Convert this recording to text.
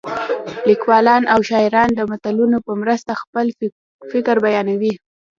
لیکوالان او شاعران د متلونو په مرسته خپل فکر بیانوي